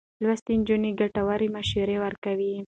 لوستې نجونې ګټورې مشورې ورکوي.